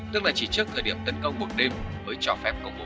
tức là chỉ trước thời điểm tấn công buộc đêm với cho phép công bố